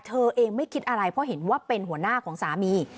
เธอเองไม่คิดอะไรเพราะเห็นว่าเป็นหัวหน้าของสามี